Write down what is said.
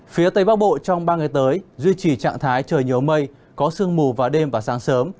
phía tây bắc bộ trong ba ngày tới duy trì trạng thái trời nhiều mây có sương mù vào đêm và sáng sớm